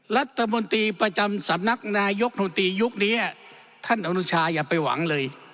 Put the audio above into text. รัฐมนตรีประจำสำนักนายกรัฐมนตรียุคนี้ท่านอนุชาอย่าไปหวังเลย